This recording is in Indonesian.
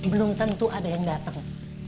belum tentu ada yang datang